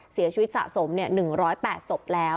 เสียชีวิตสะสม๑๐๘ศพแล้ว